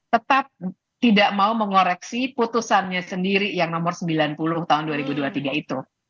tetap tidak mau mengoreksi putusannya sendiri yang nomor sembilan puluh tahun dua ribu dua puluh tiga itu